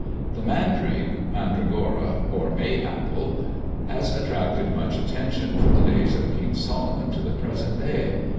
The mandrake, mandragora, or may apple, has attracted much attention from the days of King Solomon to the present day.